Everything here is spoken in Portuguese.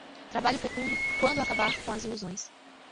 trabalho fecundo quando acabar com as ilusões